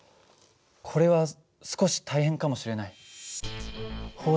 これは少し大変かもしれない。